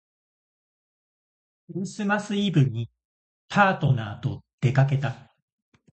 クリスマスイブにパートナーとでかけた